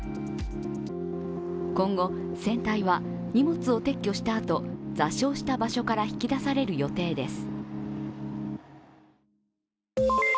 今後、船体は荷物を撤去したあと、座礁した場所から引き出される予定です。